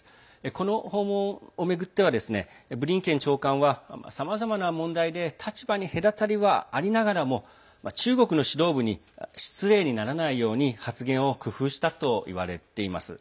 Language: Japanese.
この訪問を巡ってはブリンケン長官はさまざまな問題で立場に隔たりはありながらも中国の指導部に失礼にならないように発言を工夫したといわれています。